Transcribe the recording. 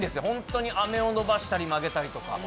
本当に飴を延ばしたり曲げたり。